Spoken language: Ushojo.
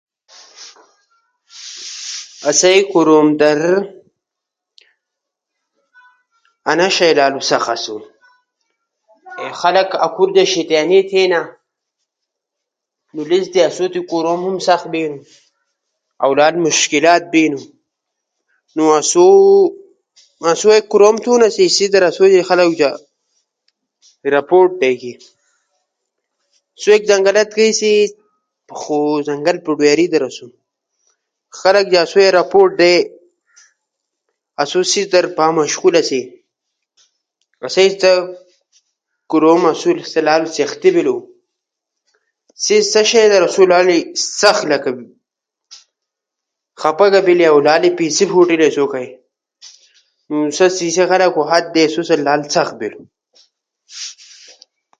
آسئی کوروم در انا شیئی لالو سخت اسُو۔ خلق اکھور تی شیطانی تھینا، نو لیس در آسو تی کوروم ہم سخت بینو، اؤ لالو مشکلات ہم بینو۔ نو آسو جے ایک کوروم تھینا نو سیس در خلق اسو تی جا ایک رپورٹ بیجینا۔ سئی زنگلا تھیسی اؤ زنگل پٹواری در آسُو۔ خلقے اسوئے رپورٹ دے آسو سیس در با مشغول آسی۔ آسئی ست کوروم در لالو سختی بیلو۔ سئی سا شیئی در آسو لالے سخت لکہ بینو، خفا در بیلے اؤ لالے پیسے پھوٹے آسو کئی۔ نو سا سی خلقو کئی ہات بیسو ست اسو سخت بیلو۔